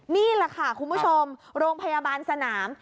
นี่แหละค่ะคุณผู้ชมโรงพยาบาลสนาม